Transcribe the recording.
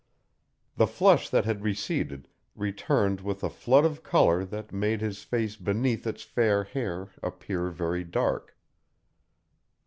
The flush that had receded returned with a flood of color that made his face beneath its fair hair appear very dark.